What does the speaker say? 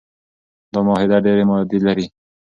دا معاهده ډیري مادې لري.